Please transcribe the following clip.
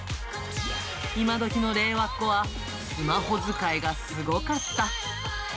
今どきの令和っ子はスマホ使いがすごかった。